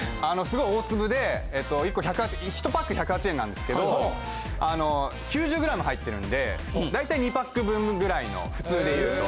すごい大粒で１個１パック１０８円なんですけど９０ｇ入ってるんで大体２パック分ぐらいの普通で言うと。